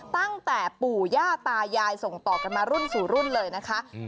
ตั้งแต่ปู่ย่าตายายส่งต่อกันมารุ่นสู่รุ่นเลยนะคะ